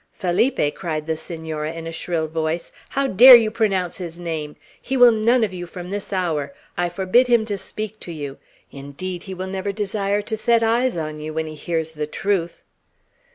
"Felipe!" cried the Senora, in a shrill voice. "How dare you pronounce his name! He will none of you, from this hour! I forbid him to speak to you. Indeed, he will never desire to set eyes on you when he hears the truth."